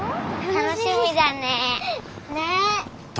楽しみだね。ね。